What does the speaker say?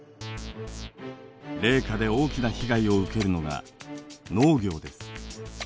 冷夏で大きな被害を受けるのが農業です。